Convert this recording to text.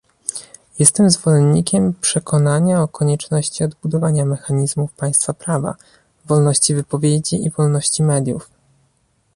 Jestem zwolennikiem przekonania o konieczności odbudowania mechanizmów państwa prawa, wolności wypowiedzi i wolności mediów